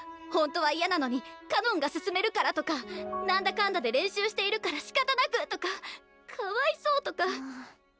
ほんとは嫌なのにかのんが勧めるからとか何だかんだで練習しているからしかたなくとかかわいそうとか。